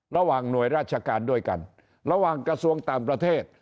ระหว่างหน่วยราชการด้วยกันระหว่างกระทรวงต่างประเทศ